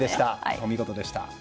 お見事でした。